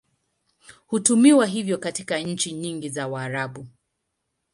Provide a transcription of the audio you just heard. Hutumiwa hivyo katika nchi nyingi za Waarabu.